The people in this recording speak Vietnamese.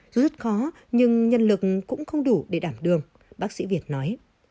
dù rất khó nhưng nhân lực cũng không đủ để đảm đường bác sĩ việt nói